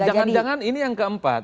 jangan jangan ini yang keempat